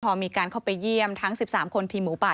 พอมีการเข้าไปเยี่ยมทั้ง๑๓คนทีมหมูป่า